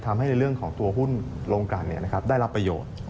ทำให้ในเรื่องของตัวหุ้นลงกันได้รับประโยชน์